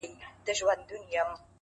پاس توتكۍ راپسي مه ږغـوه ـ